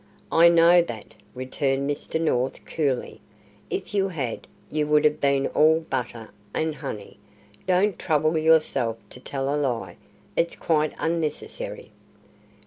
"I know that," returned Mr. North, coolly. "If you had, you would have been all butter and honey. Don't trouble yourself to tell a lie; it's quite unnecessary."